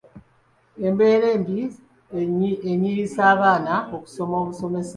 Embeera embi enyiyisa abaana okusoma obusomesa.